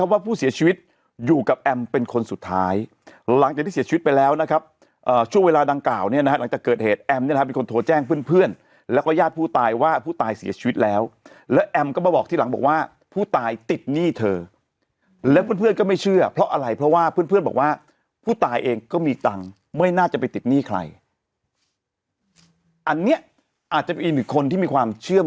ว่าผู้เสียชีวิตอยู่กับแอมเป็นคนสุดท้ายหลังจากที่เสียชีวิตไปแล้วนะครับอ่าช่วงเวลาดังกล่าวเนี้ยนะฮะหลังจากเกิดเหตุแอมเนี้ยนะครับเป็นคนโทรแจ้งเพื่อนเพื่อนแล้วก็ญาติผู้ตายว่าผู้ตายเสียชีวิตแล้วแล้วแอมก็มาบอกที่หลังบอกว่าผู้ตายติดหนี้เธอแล้วเพื่อนเพื่อนก็ไม่เชื่อเพราะอะไรเพราะว่าเพื่อนเพื่